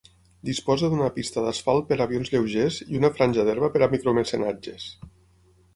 Disposa d'una pista d'asfalt per a avions lleugers i una franja d'herba per a micromecenatges.